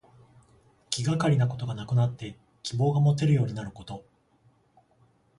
気がかりなことがなくなって希望がもてるようになること。